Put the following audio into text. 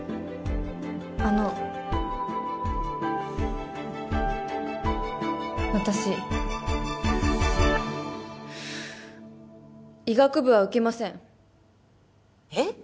あの私医学部は受けませんえっ？